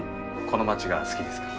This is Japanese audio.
この街が好きですか？